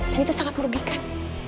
dan itu sangat merugikan